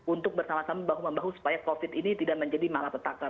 untuk bersama sama bahu membahu supaya covid ini tidak menjadi malapetaka